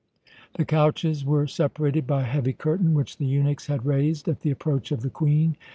The couches were separated by a heavy curtain which the eunuchs had raised at the approach of the Queen.